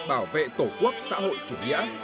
bảo vệ tổ quốc xã hội chủ nghĩa